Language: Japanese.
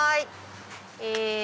え。